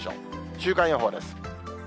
週間予報です。